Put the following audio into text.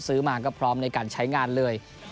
ซื้อมาก็พร้อมในการใช้งานเลย